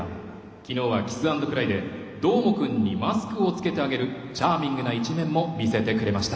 きのうはキスアンドクライでどーもくんにマスクをつけてあげるチャーミングな一面も見せてくれました。